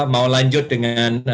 mau lanjut dengan